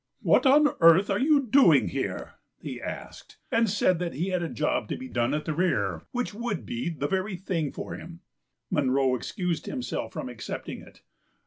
"What on earth are you doing here?" he asked, and said that he had a job to be done at the rear which would be the very thing for him. Munro excused himself from accepting it.